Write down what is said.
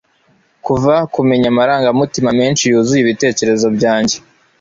kuva nkumenya, amarangamutima menshi yuzuye ibitekerezo byanjye